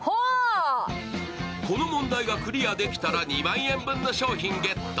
この問題がクリアできたら２万円分の商品ゲット。